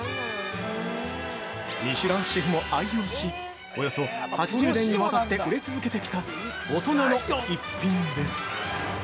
ミシュランシェフも愛用し、およそ８０年にわたって売れ続けてきた大人の逸品です！